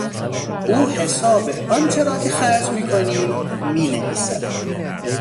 او حساب آنچه را که خرج میکنیم مینویسد.